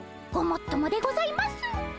ごもっともでございます。